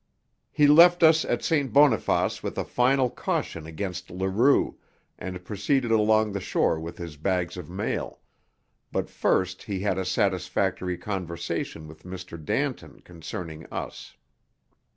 He left us at St. Boniface with a final caution against Leroux, and proceeded along the shore with his bags of mail; but first he had a satisfactory conversation with M. Danton concerning us.